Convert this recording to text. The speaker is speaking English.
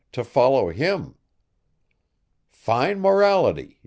to follow him. "Fine morality!"